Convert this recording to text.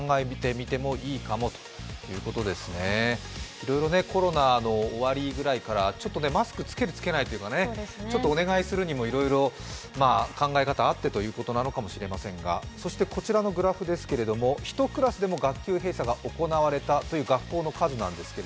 いろいろね、コロナの終わりぐらいからマスク着ける・着けないとか、ちょっとお願いするにもいろいろ考え方あってということなのかもしれませんがそしてこちらのグラフですけれども１クラスでも学級閉鎖が行われた学校の数です。